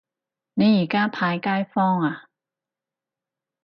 你而家派街坊呀